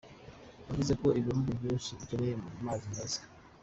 Yavuze ko ibihugu byinshi bikeneye mazi meza.